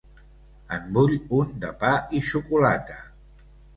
En vull un de pa i xocolata.